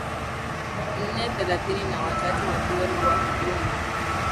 nne thelathini na watatu wakiwemo wahudumu